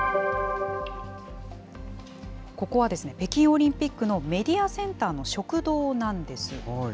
ここは北京オリンピックのメディアセンターの食堂なんです。